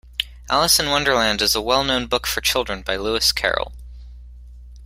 Alice in Wonderland is a well-known book for children by Lewis Carroll